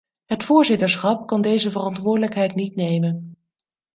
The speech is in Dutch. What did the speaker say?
Het voorzitterschap kan deze verantwoordelijkheid niet nemen.